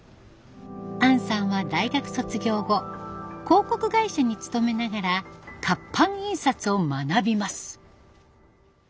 アンさんは大学卒業後広告会社に勤めながら活版印刷を学びます。